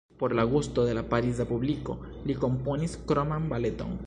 Por la gusto de la Pariza publiko li komponis kroman baleton.